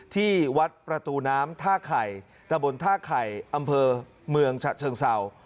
ที่วัดประตูน้ำท่าไข่ตะบนท่าไข่อำเภอเมืองฉะเชิงเศร้า